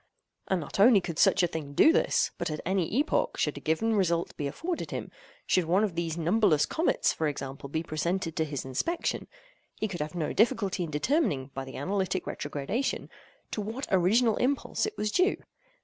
And not only could such a thing do this, but at any epoch, should a given result be afforded him—should one of these numberless comets, for example, be presented to his inspection—he could have no difficulty in determining, by the analytic retrogradation, to what original impulse it was due.